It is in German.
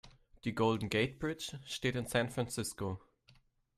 Die Golden Gate Bridge steht in San Francisco.